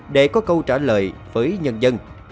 để có câu trả lời với nhân dân